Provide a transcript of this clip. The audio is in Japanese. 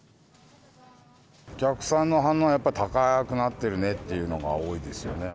お客さんの反応はやっぱり高くなってるねっていうのが多いですよね。